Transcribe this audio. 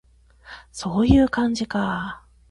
そういう感じか